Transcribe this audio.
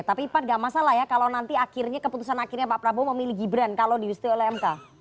tapi pak tidak masalah ya kalau nanti akhirnya keputusan pak prabowo memilih gibran kalau diwisita oleh mk